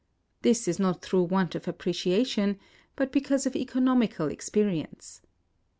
This is not through want of appreciation, but because of economical experience.